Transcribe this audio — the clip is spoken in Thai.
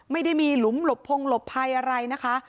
ไม่ได้มีหลุมหลบพงหลบภัยอะไรนะคะ